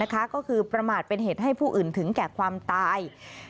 ก็คือประมาทเป็นเหตุให้ผู้อื่นถึงแก่ความตาย